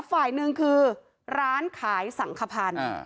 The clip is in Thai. ฝ่ายหนึ่งคือร้านขายสังขพันธ์